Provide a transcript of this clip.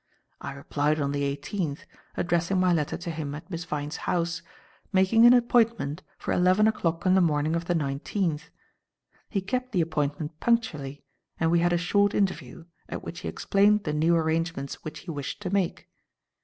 I replied on the eighteenth, addressing my letter to him at Miss Vyne's house, making an appointment for eleven o'clock on the morning of the nineteenth. He kept the appointment punctually, and we had a short interview, at which he explained the new arrangements which he wished to make.